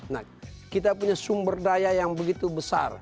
nah kita punya sumber daya yang begitu besar